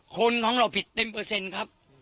คนของเราผิดเต็มเปอร์เซ็นต์ครับ